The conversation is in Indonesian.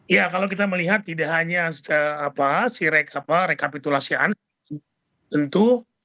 ya kalau kita melihat tidak hanya si rekapitulasi anak tentu